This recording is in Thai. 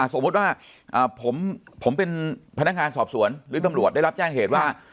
สมมุติว่าผมเป็นพนักงานสอบสวนหรือตำรวจได้รับแจ้งเหตุว่า